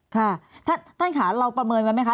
ค่ะท่านค่ะเราประเมินไว้ไหมคะ